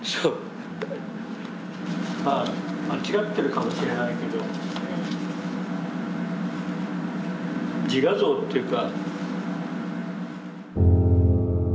まあ間違ってるかもしれないけど自画像というか。